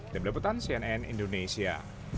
dabla butan cnn indonesia